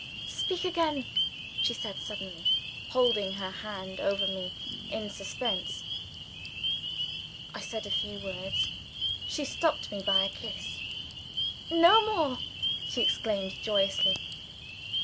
"Speak again!" she said suddenly, holding her hand over me in suspense. I said a few words. She stopped me by a kiss. "No more!" she exclaimed joyously.